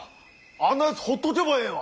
あんなやつほっとけばええわ。